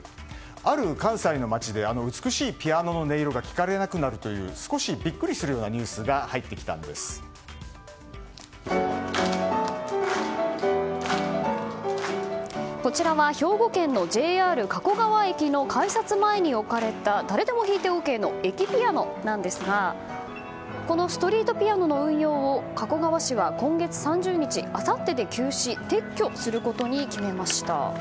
ある関西の街で美しいピアノの音色が聴かれなくなるという少しビックリするようなこちらは兵庫県のＪＲ加古川駅の改札前に置かれた誰でも弾いてＯＫの駅ピアノなんですがこのストリートピアノの運用を加古川市は今月３０日あさってで休止・撤去することを決めました。